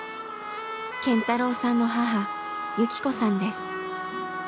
健太郎さんの母幸子さんです。